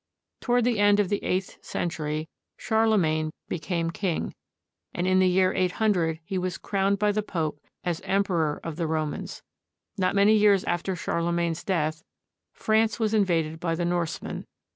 Toward the end of the eighth century, Charle magne became king; and in the year 800 he was crowned by the Pope as Emperor of the Romans. Not many years after Charlemagne's death, France was invaded by the Norsemen.